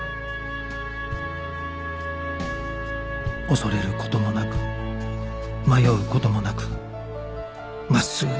恐れる事もなく迷う事もなく真っすぐに